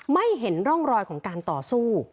ไม่เห็นร่องรอยของการต่อสู้